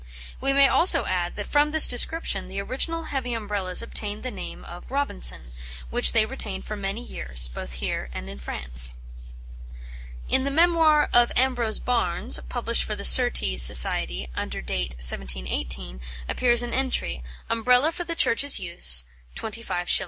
We may also add, that from this description the original heavy Umbrellas obtained the name of "Robinson," which they retained for many years, both here and in France. In the "Memoir of Ambrose Barnes," published for the Surtees Society, under date 1718, appears an entry, "Umbrella for the Church's use, 25s."